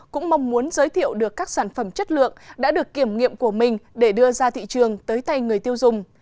cũng mong muốn giới thiệu được các sản phẩm chất lượng đã được kiểm nghiệm của mình để đưa ra thị trường tới tay người tiêu dùng